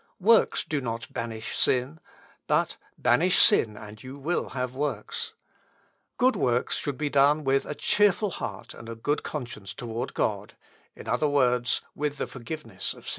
Works do not banish sin; but banish sin, and you will have works. Good works should be done with a cheerful heart and a good conscience toward God; in other words, with the forgiveness of sins."